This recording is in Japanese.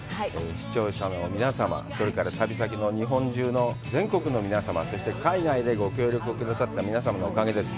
視聴者の皆様、それから、旅先の日本中の全国の皆様、そして海外でご協力くださった方々のおかげです。